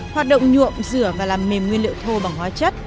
hoạt động nhuộm rửa và làm mềm nguyên liệu thô bằng hóa chất